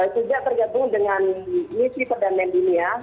sejak tergabung dengan misi perdamaian dunia